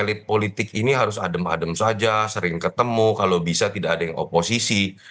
elit politik ini harus adem adem saja sering ketemu kalau bisa tidak ada yang oposisi